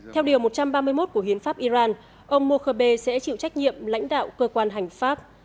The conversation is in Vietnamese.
theo điều một trăm ba mươi một của hiến pháp iran ông mokhebe sẽ chịu trách nhiệm lãnh đạo cơ quan hành pháp